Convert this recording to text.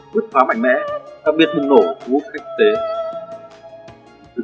quất khóa mạnh mẽ đặc biệt hình nổ của quốc khách quốc tế